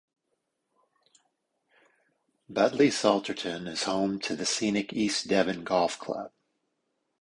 Budleigh Salterton is home to the scenic East Devon Golf Club.